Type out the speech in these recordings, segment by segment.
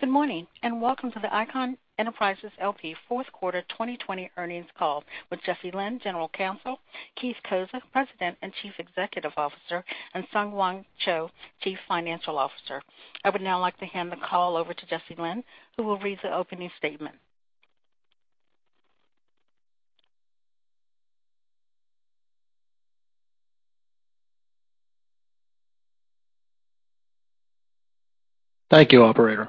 Good morning, and welcome to the Icahn Enterprises L.P. Q4 2020 earnings call with Jesse Lynn, General Counsel, Keith Cozza, President and Chief Executive Officer, and SungHwan Cho, Chief Financial Officer. I would now like to hand the call over to Jesse Lynn, who will read the opening statement. Thank you, operator.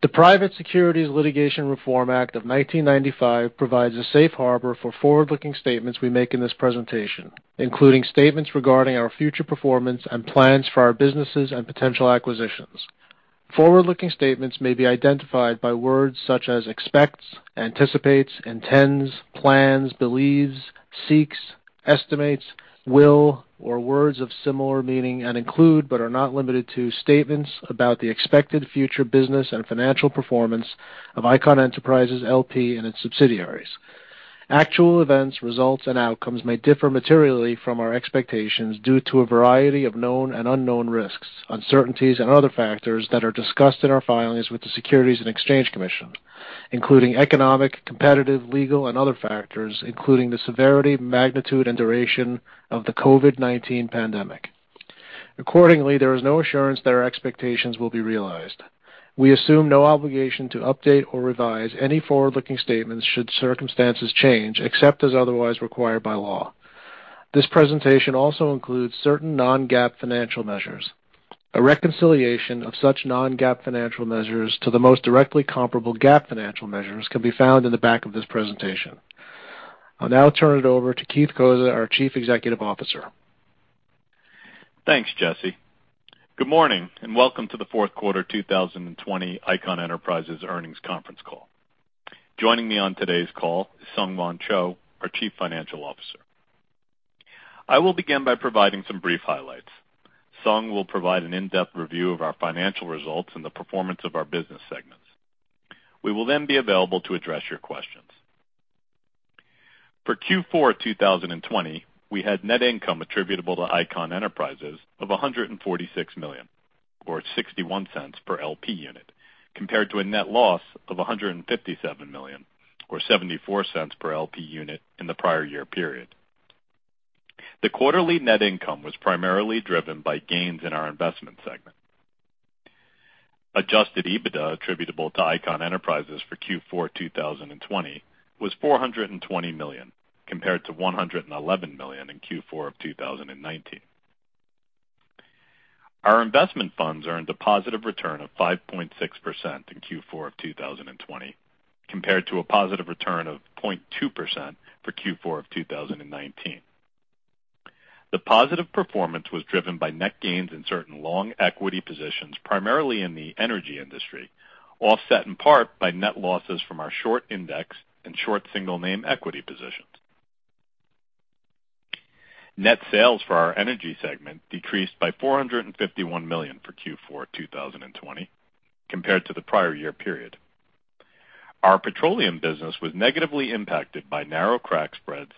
The Private Securities Litigation Reform Act of 1995 provides a safe harbor for forward-looking statements we make in this presentation, including statements regarding our future performance and plans for our businesses and potential acquisitions. Forward-looking statements may be identified by words such as expects, anticipates, intends, plans, believes, seeks, estimates, will, or words of similar meaning and include, but are not limited to statements about the expected future business and financial performance of Icahn Enterprises L.P. and its subsidiaries. Actual events, results, and outcomes may differ materially from our expectations due to a variety of known and unknown risks, uncertainties, and other factors that are discussed in our filings with the Securities and Exchange Commission, including economic, competitive, legal, and other factors, including the severity, magnitude, and duration of the COVID-19 pandemic. Accordingly, there is no assurance that our expectations will be realized. We assume no obligation to update or revise any forward-looking statements should circumstances change, except as otherwise required by law. This presentation also includes certain non-GAAP financial measures. A reconciliation of such non-GAAP financial measures to the most directly comparable GAAP financial measures can be found in the back of this presentation. I'll now turn it over to Keith Cozza, our Chief Executive Officer. Thanks, Jesse. Good morning, and welcome to the Q4 2020 Icahn Enterprises earnings conference call. Joining me on today's call is SungHwan Cho, our Chief Financial Officer. I will begin by providing some brief highlights. Sung will provide an in-depth review of our financial results and the performance of our business segments. We will then be available to address your questions. For Q4 2020, we had net income attributable to Icahn Enterprises of $146 million, or $0.61 per LP unit, compared to a net loss of $157 million, or $0.74 per LP unit in the prior year period. The quarterly net income was primarily driven by gains in our investment segment. Adjusted EBITDA attributable to Icahn Enterprises for Q4 2020 was $420 million, compared to $111 million in Q4 of 2019. Our investment funds earned a positive return of 5.6% in Q4 2020, compared to a positive return of 0.2% for Q4 2019. The positive performance was driven by net gains in certain long equity positions, primarily in the energy industry, offset in part by net losses from our short index and short single name equity positions. Net sales for our energy segment decreased by $451 million for Q4 2020 compared to the prior year period. Our petroleum business was negatively impacted by narrow crack spreads,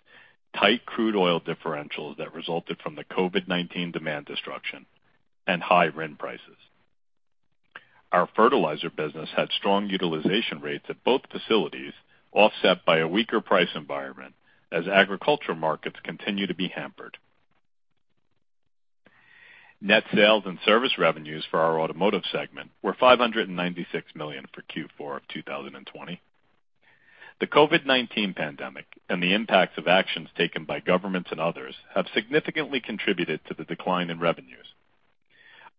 tight crude oil differentials that resulted from the COVID-19 demand destruction, and high RIN prices. Our fertilizer business had strong utilization rates at both facilities, offset by a weaker price environment as agriculture markets continue to be hampered. Net sales and service revenues for our automotive segment were $596 million for Q4 2020. The COVID-19 pandemic and the impacts of actions taken by governments and others have significantly contributed to the decline in revenues.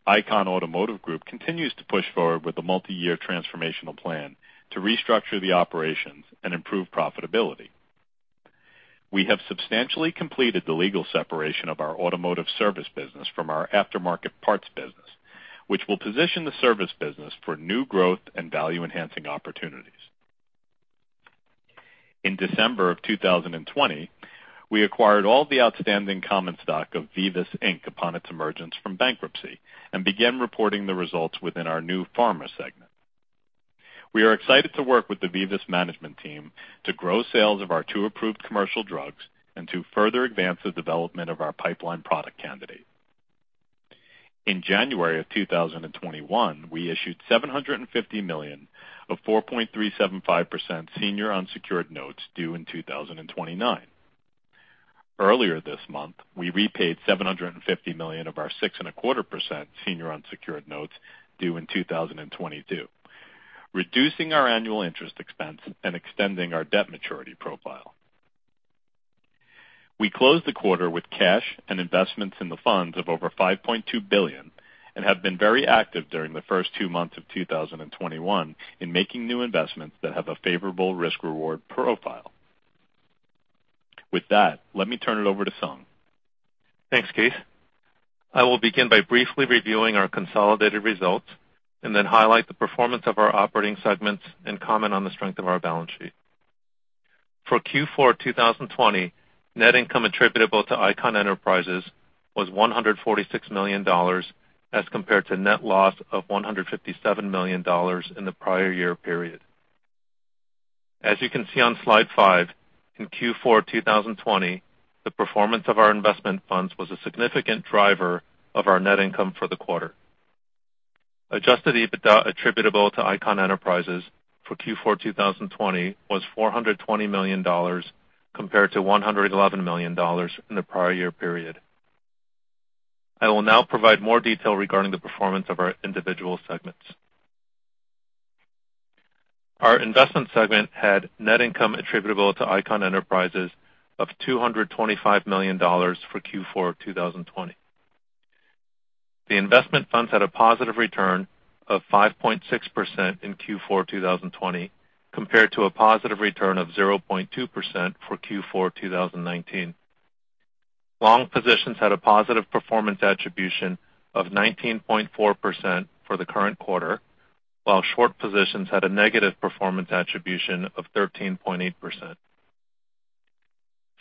Icahn Automotive Group continues to push forward with a multi-year transformational plan to restructure the operations and improve profitability. We have substantially completed the legal separation of our automotive service business from our aftermarket parts business, which will position the service business for new growth and value-enhancing opportunities. In December of 2020, we acquired all the outstanding common stock of VIVUS, Inc. upon its emergence from bankruptcy and began reporting the results within our new pharma segment. We are excited to work with the VIVUS management team to grow sales of our two approved commercial drugs and to further advance the development of our pipeline product candidate. In January of 2021, we issued $750 million of 4.375% senior unsecured notes due in 2029. Earlier this month, we repaid $750 million of our 6.25% senior unsecured notes due in 2022, reducing our annual interest expense and extending our debt maturity profile. We closed the quarter with cash and investments in the funds of over $5.2 billion and have been very active during the first two months of 2021 in making new investments that have a favorable risk-reward profile. With that, let me turn it over to Sung. Thanks, Keith. I will begin by briefly reviewing our consolidated results and then highlight the performance of our operating segments and comment on the strength of our balance sheet. For Q4 2020, net income attributable to Icahn Enterprises was $146 million as compared to net loss of $157 million in the prior year period. As you can see on slide five, in Q4 2020, the performance of our investment funds was a significant driver of our net income for the quarter. Adjusted EBITDA attributable to Icahn Enterprises for Q4 2020 was $420 million, compared to $111 million in the prior year period. I will now provide more detail regarding the performance of our individual segments. Our investment segment had net income attributable to Icahn Enterprises of $225 million for Q4 2020. The investment funds had a positive return of 5.6% in Q4 2020, compared to a positive return of 0.2% for Q4 2019. Long positions had a positive performance attribution of 19.4% for the current quarter, while short positions had a negative performance attribution of 13.8%.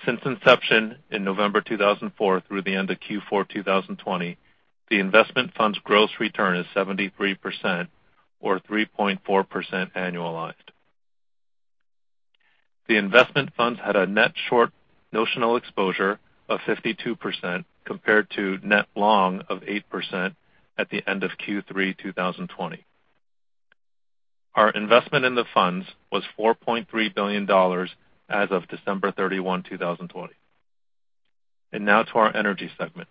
Since inception in November 2004 through the end of Q4 2020, the investment fund's gross return is 73%, or 3.4% annualized. The investment funds had a net short notional exposure of 52%, compared to net long of 8% at the end of Q3 2020. Our investment in the funds was $4.3 billion as of December 31, 2020. Now to our energy segment.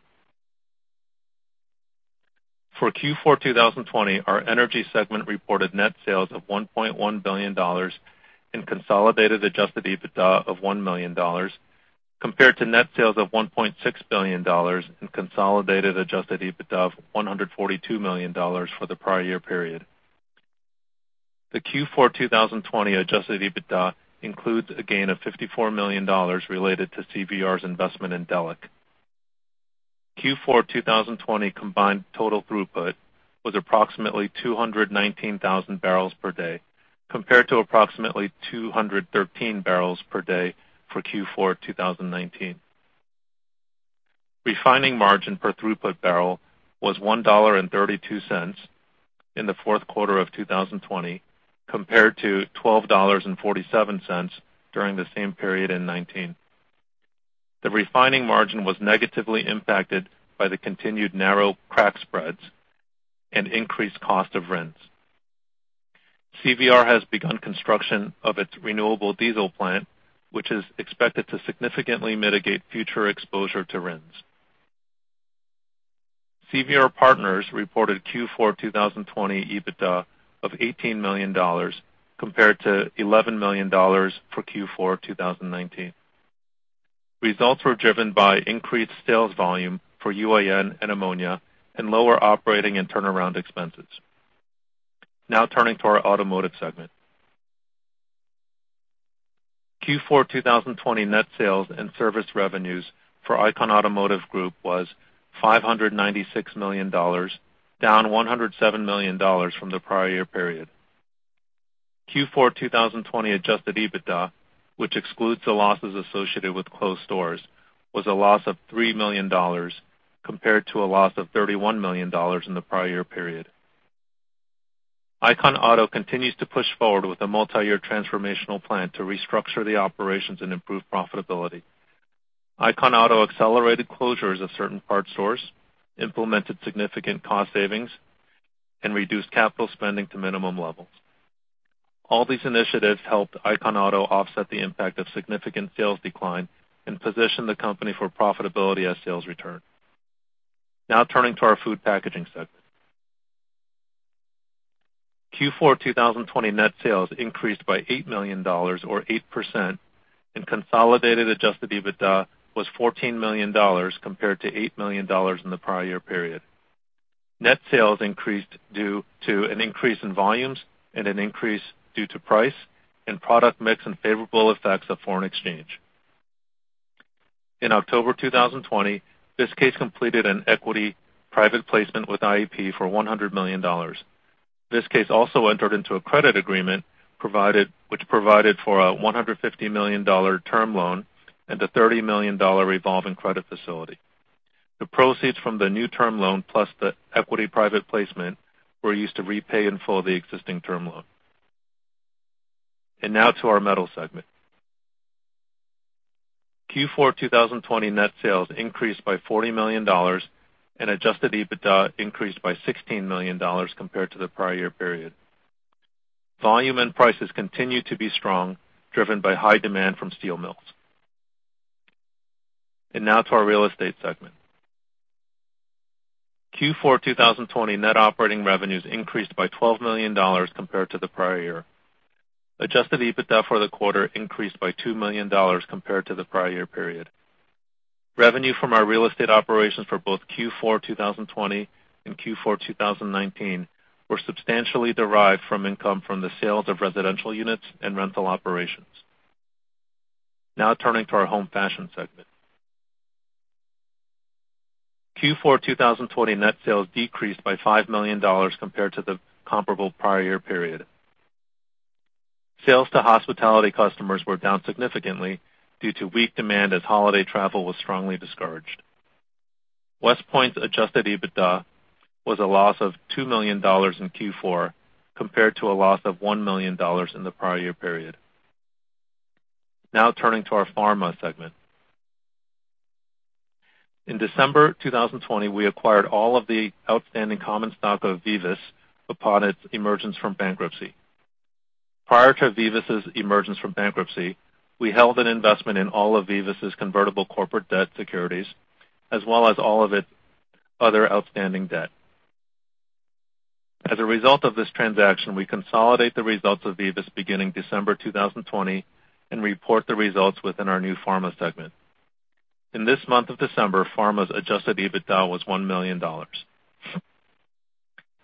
For Q4 2020, our energy segment reported net sales of $1.1 billion in consolidated adjusted EBITDA of $1 million, compared to net sales of $1.6 billion in consolidated adjusted EBITDA of $142 million for the prior year period. The Q4 2020 adjusted EBITDA includes a gain of $54 million related to CVR's investment in Delek. Q4 2020 combined total throughput was approximately 219,000 bbls per day, compared to approximately 213,000 bbls per day for Q4 2019. Refining margin per throughput barrel was $1.32 in the Q4 of 2020, compared to $12.47 during the same period in 2019. The refining margin was negatively impacted by the continued narrow crack spreads and increased cost of RINs. CVR has begun construction of its renewable diesel plant, which is expected to significantly mitigate future exposure to RINs. CVR Partners reported Q4 2020 EBITDA of $18 million, compared to $11 million for Q4 2019. Results were driven by increased sales volume for UAN and ammonia and lower operating and turnaround expenses. Now turning to our automotive segment. Q4 2020 net sales and service revenues for Icahn Automotive Group was $596 million, down $107 million from the prior year period. Q4 2020 adjusted EBITDA, which excludes the losses associated with closed stores, was a loss of $3 million, compared to a loss of $31 million in the prior year period. Icahn Auto continues to push forward with a multi-year transformational plan to restructure the operations and improve profitability. Icahn Auto accelerated closures of certain parts stores, implemented significant cost savings, and reduced capital spending to minimum levels. All these initiatives helped Icahn Auto offset the impact of significant sales decline and position the company for profitability as sales return. Now turning to our food packaging segment. Q4 2020 net sales increased by $8 million or 8%, and consolidated adjusted EBITDA was $14 million compared to $8 million in the prior year period. Net sales increased due to an increase in volumes and an increase due to price and product mix and favorable effects of foreign exchange. In October 2020, Viskase completed an equity private placement with IEP for $100 million. Viskase also entered into a credit agreement which provided for a $150 million term loan and a $30 million revolving credit facility. The proceeds from the new term loan, plus the equity private placement, were used to repay in full the existing term loan. Now to our metals segment. Q4 2020 net sales increased by $40 million, and adjusted EBITDA increased by $16 million compared to the prior year period. Volume and prices continued to be strong, driven by high demand from steel mills. Now to our real estate segment. Q4 2020 net operating revenues increased by $12 million compared to the prior year. Adjusted EBITDA for the quarter increased by $2 million compared to the prior year period. Revenue from our real estate operations for both Q4 2020 and Q4 2019 were substantially derived from income from the sales of residential units and rental operations. Now turning to our home fashion segment. Q4 2020 net sales decreased by $5 million compared to the comparable prior year period. Sales to hospitality customers were down significantly due to weak demand as holiday travel was strongly discouraged. WestPoint's adjusted EBITDA was a loss of $2 million in Q4 compared to a loss of $1 million in the prior year period. Turning to our Pharma segment. In December 2020, we acquired all of the outstanding common stock of VIVUS upon its emergence from bankruptcy. Prior to VIVUS' emergence from bankruptcy, we held an investment in all of VIVUS' convertible corporate debt securities, as well as all of its other outstanding debt. As a result of this transaction, we consolidate the results of VIVUS beginning December 2020 and report the results within our new Pharma segment. In this month of December, Pharma's adjusted EBITDA was $1 million.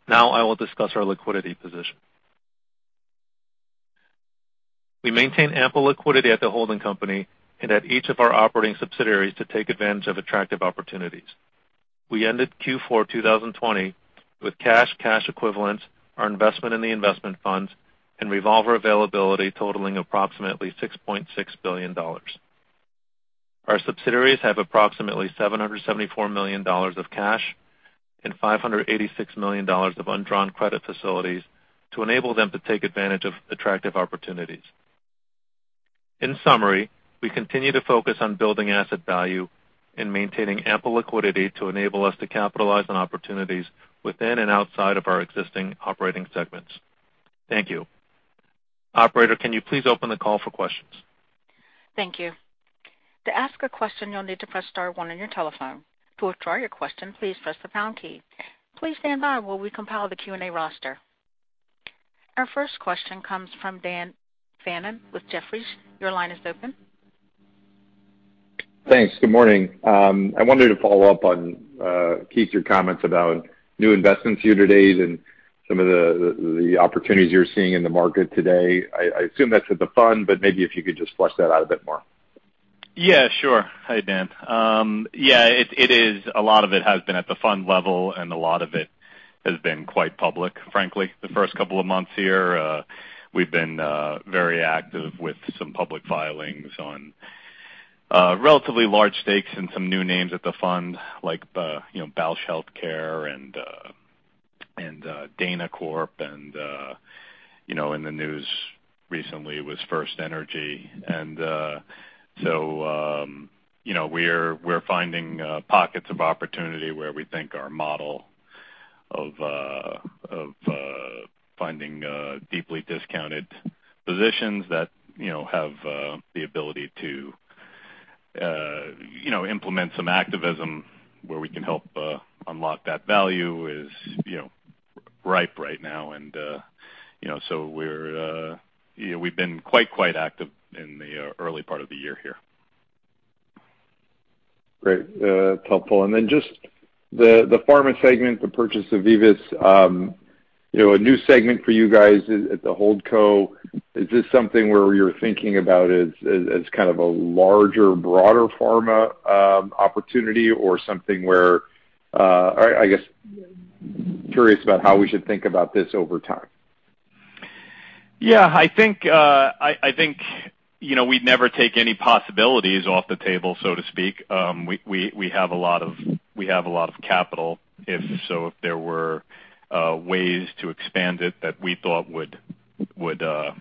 I will discuss our liquidity position. We maintain ample liquidity at the holding company and at each of our operating subsidiaries to take advantage of attractive opportunities. We ended Q4 2020 with cash equivalents, our investment in the investment funds, and revolver availability totaling approximately $6.6 billion. Our subsidiaries have approximately $774 million of cash and $586 million of undrawn credit facilities to enable them to take advantage of attractive opportunities. In summary, we continue to focus on building asset value and maintaining ample liquidity to enable us to capitalize on opportunities within and outside of our existing operating segments. Thank you. Operator, can you please open the call for questions? Thank you. To ask a question, you need to press star one on your telephone. To withdraw your question, please press the pound key. Please stand by while we compile the Q&A roster. Our first question comes from Dan Fannon with Jefferies. Your line is open. Thanks. Good morning. I wanted to follow up on, Keith, your comments about new investments year-to-date and some of the opportunities you're seeing in the market today. I assume that's at the fund, but maybe if you could just flesh that out a bit more. Yeah, sure. Hi, Dan. Yeah, a lot of it has been at the fund level. A lot of it has been quite public, frankly. The first couple of months here, we've been very active with some public filings on relatively large stakes and some new names at the fund like Bausch Health Companies and Dana Corp. In the news recently was FirstEnergy. We're finding pockets of opportunity where we think our model of finding deeply discounted positions that have the ability to implement some activism where we can help unlock that value is ripe right now. We've been quite active in the early part of the year here. Great. That's helpful. Just the pharma segment, the purchase of VIVUS, a new segment for you guys at the holdco, is this something where you're thinking about as kind of a larger, broader pharma opportunity or something where I guess, curious about how we should think about this over time? Yeah, I think we'd never take any possibilities off the table, so to speak. We have a lot of capital. If so, if there were ways to expand it that we thought would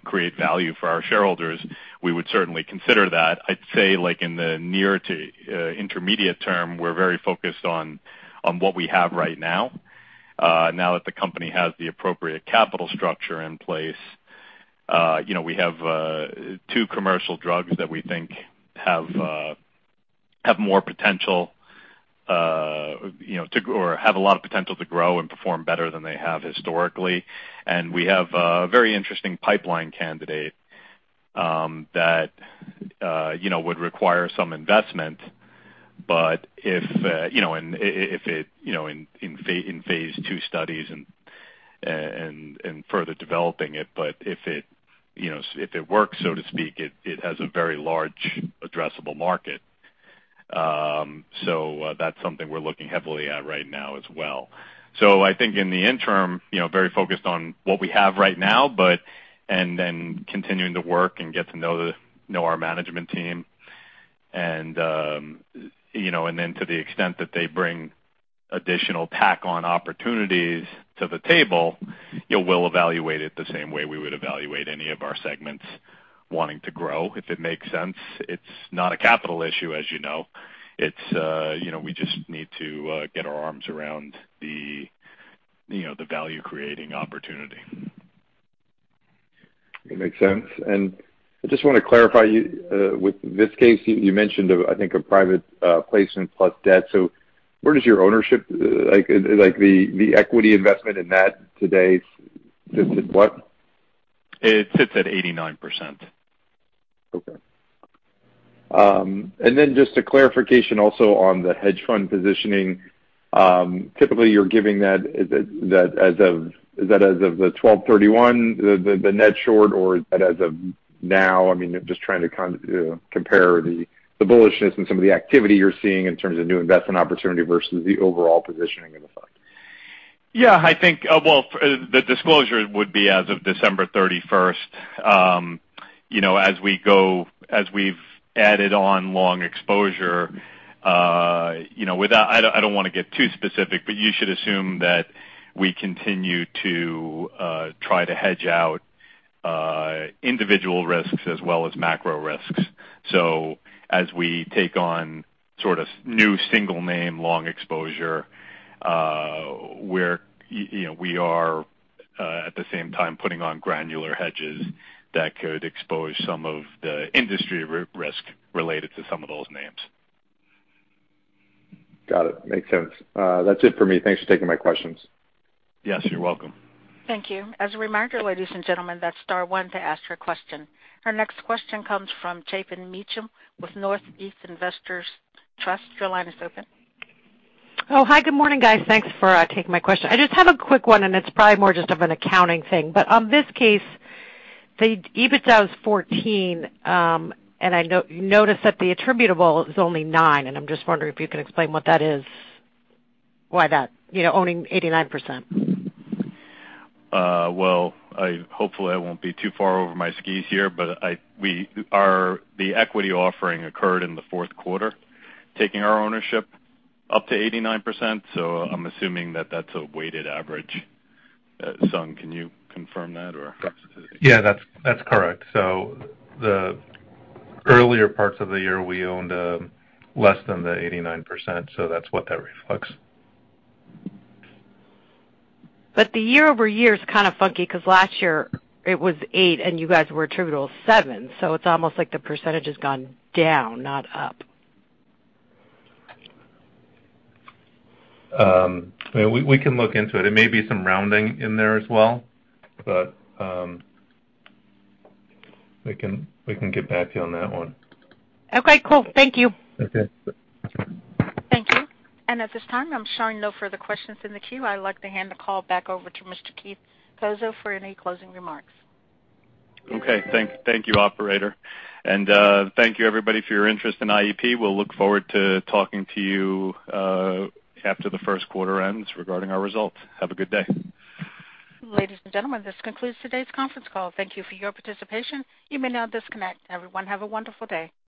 create value for our shareholders, we would certainly consider that. I'd say, like in the near to intermediate term, we're very focused on what we have right now. Now that the company has the appropriate capital structure in place, we have two commercial drugs that we think have a lot of potential to grow and perform better than they have historically. We have a very interesting pipeline candidate that would require some investment in phase II studies and further developing it. If it works, so to speak, it has a very large addressable market. That's something we're looking heavily at right now as well. I think in the interim, very focused on what we have right now, and then continuing to work and get to know our management team. To the extent that they bring additional add-on opportunities to the table, we'll evaluate it the same way we would evaluate any of our segments wanting to grow, if it makes sense. It's not a capital issue, as you know. We just need to get our arms around the value-creating opportunity. It makes sense. I just want to clarify, with this Viskase, you mentioned, I think, a private placement plus debt. Where does your ownership, like the equity investment in that today sit at what? It sits at 89%. Okay. Just a clarification also on the hedge fund positioning. Typically, you're giving that as of the 12/31, the net short, or is that as of now? I mean, just trying to compare the bullishness and some of the activity you're seeing in terms of new investment opportunity versus the overall positioning of the fund. Yeah. I think, well, the disclosure would be as of December 31st. As we've added on long exposure, I don't want to get too specific, but you should assume that we continue to try to hedge out individual risks as well as macro risks. As we take on sort of new single name, long exposure, we are at the same time putting on granular hedges that could expose some of the industry risk related to some of those names. Got it. Makes sense. That's it for me. Thanks for taking my questions. Yes, you're welcome. Thank you. As a reminder, ladies and gentlemen, that is star one to ask your question. Our next question comes from Chapin Mechem with Northeast Investors Trust. Your line is open. Oh, hi. Good morning, guys. Thanks for taking my question. I just have a quick one, and it's probably more just of an accounting thing. On Viskase, the EBITDA was $14, and I notice that the attributable is only $9, and I'm just wondering if you can explain what that is, why that, owning 89%? Well, hopefully I won't be too far over my skis here, but the equity offering occurred in the Q4, taking our ownership up to 89%. I'm assuming that that's a weighted average. Sung, can you confirm that? Yeah, that's correct. The earlier parts of the year, we owned less than the 89%, so that's what that reflects. The year-over-year is kind of funky because last year it was eight and you guys were attributable seven, it's almost like the percentage has gone down, not up. We can look into it. There may be some rounding in there as well, but we can get back to you on that one. Okay, cool. Thank you. Okay. Thank you. At this time, I'm showing no further questions in the queue. I'd like to hand the call back over to Mr. Keith Cozza for any closing remarks. Okay. Thank you, operator. Thank you everybody for your interest in IEP. We'll look forward to talking to you after the Q1 ends regarding our results. Have a good day. Ladies and gentlemen, this concludes today's conference call. Thank you for your participation. You may now disconnect. Everyone, have a wonderful day.